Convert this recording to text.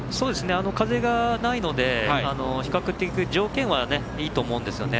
風がないので、比較的条件はいいと思うんですね。